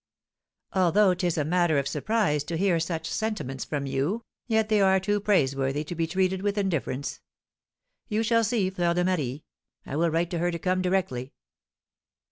"Although 'tis a matter of surprise to hear such sentiments from you, yet they are too praiseworthy to be treated with indifference. You shall see Fleur de Marie; I will write to her to come directly."